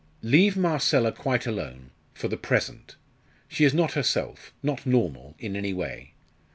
"Leave Marcella quite alone for the present. She is not herself not normal, in any way.